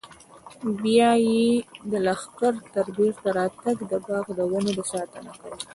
بیا به یې د لښکر تر بېرته راتګ د باغ د ونو ساتنه کوله.